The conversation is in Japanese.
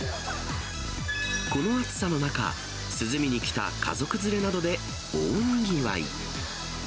この暑さの中、涼みに来た家族連れなどで大にぎわい。